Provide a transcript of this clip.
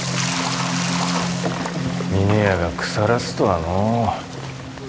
峰屋が腐らすとはのう。